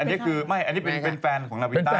อันนี้คือไม่อันนี้เป็นแฟนของนาวินต้า